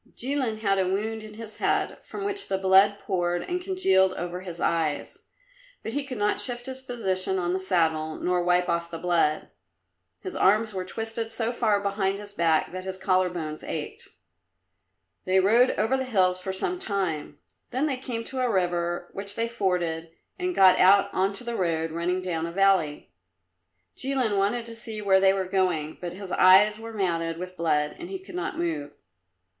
Jilin had a wound in his head, from which the blood poured and congealed over his eyes, but he could not shift his position on the saddle, nor wipe off the blood. His arms were twisted so far behind his back that his collar bones ached. They rode over the hills for some time, then they came to a river which they forded and got out on to a road running down a valley. Jilin wanted to see where they were going, but his eyes were matted with blood and he could not move.